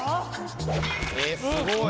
えっすごい。